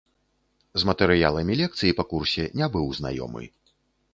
З матэрыяламі лекцый па курсе не быў знаёмы.